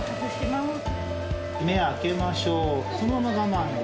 ます目開けましょうそのまま我慢です